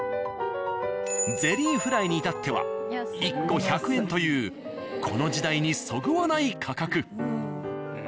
ゼリーフライに至っては１個１００円というこの時代にそぐわない価格。